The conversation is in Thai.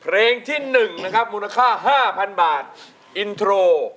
ไปลงทุนซื้อตู้หยอดอาหารปลาอัตโนมัติ